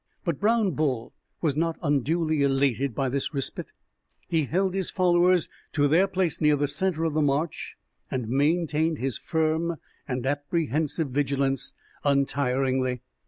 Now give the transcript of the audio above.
But Brown Bull was not unduly elated by this respite. He held his followers to their place near the center of the march, and maintained his firm and apprehensive vigilance untiringly.